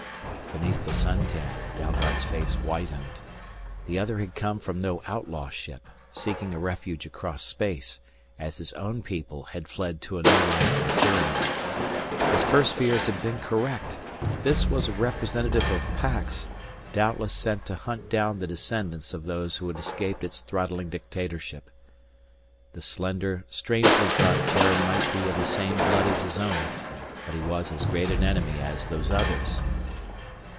Beneath the suntan, Dalgard's face whitened. The other had come from no outlaw ship, seeking a refuge across space, as his own people had fled to a new life from tyranny. His first fears had been correct! This was a representative of Pax, doubtless sent to hunt down the descendants of those who had escaped its throttling dictatorship. The slender strangely garbed Terran might be of the same blood as his own, but he was as great an enemy as Those Others!